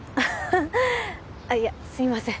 あっいやすいません